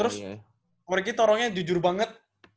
terus shikoh riki tuh orangnya jujur banget